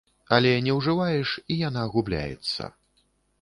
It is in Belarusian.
Але не ўжываеш, і яна губляецца.